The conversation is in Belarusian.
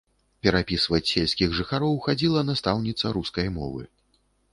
Перапісваць сельскіх жыхароў хадзіла настаўніца рускай мовы.